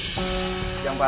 selamat siang pak